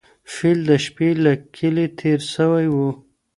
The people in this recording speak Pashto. فیل د شپې له کلي تېر سوی و.